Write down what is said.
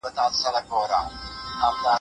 یوازې ټولنپوهنه حقایق روښانه کوي.